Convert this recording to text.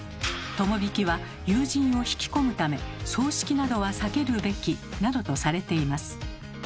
友引は友人を引き込むため葬式などは避けるべきなどとされています。